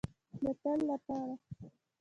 د تل لپاره.